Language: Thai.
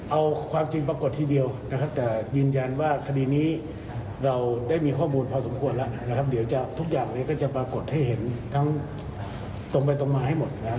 เอาความจริงปรากฏทีเดียวนะครับแต่ยืนยันว่าคดีนี้เราได้มีข้อมูลพอสมควรแล้วนะครับเดี๋ยวจะทุกอย่างนี้ก็จะปรากฏให้เห็นทั้งตรงไปตรงมาให้หมดนะครับ